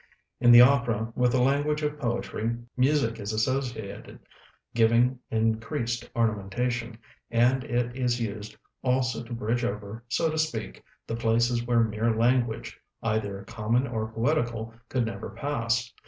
In the opera, with the language of poetry, music is associated, giving increased ornamentation; and it is used also to bridge over, so to speak, the places where mere language, either common or poetical, could never pass.